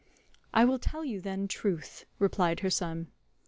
"I will tell you then truth," replied her son.